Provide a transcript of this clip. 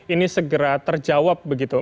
ini segera terjawab begitu